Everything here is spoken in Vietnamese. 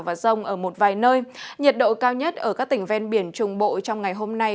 và rông ở một vài nơi nhiệt độ cao nhất ở các tỉnh ven biển trung bộ trong ngày hôm nay